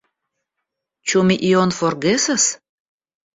Ĉu mi ion forgesas?